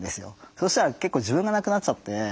そしたら結構自分がなくなっちゃって。